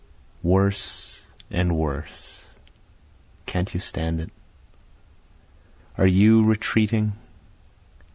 Worse and worse can't you stand it? are you retreating?